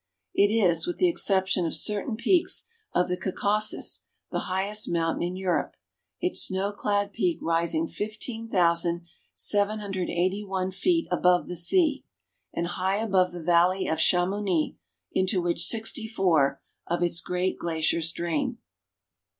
It is, with the exception of certain peaks of the Caucasus, the highest mountain in Europe, its snow clad peak rising 15,781 feet above the sea, and high above the Valley of Chamouni into which sixty four of its great glaciers drain.